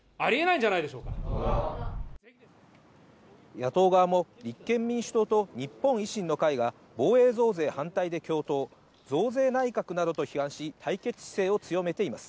野党側も立憲民主党と日本維新の会が防衛増税反対で共闘、増税内閣などと批判し、対決姿勢を強めています。